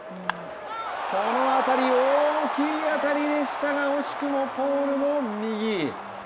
この当たり、大きい当たりでしたが惜しくもポールの右。